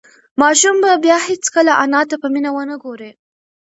ماشوم به بیا هیڅکله انا ته په مینه ونه گوري.